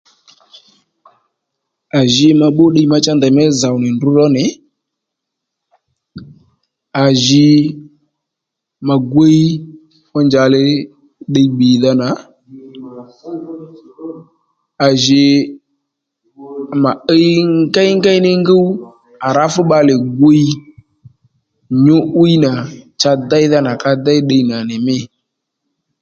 À ji ma bbú ddiy má cha mí zòw nì ndrǔ ró nì à jì ma gwíy fú njàli ddiy bbì-dha nà à jí mà íy ngengéy ní ngúw à rǎ fú bbalè gwiy nyǔ'wiy nà cha déydha nà ka déy ddiy nà mî